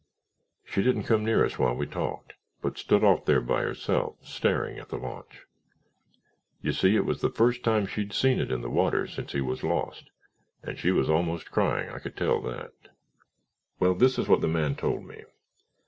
She didn't come near us while we talked, but stood off there by herself staring at the launch. You see, it was the first time she'd seen it in the water since he was lost, and she was almost crying—I could tell that. "Well, this is what the man told me.